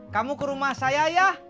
kamu ke rumah saya ya